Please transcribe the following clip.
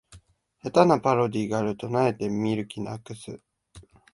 下手なパロディがあると萎えて見る気なくす